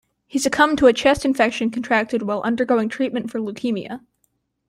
He succumbed to a chest infection contracted while undergoing treatment for leukemia.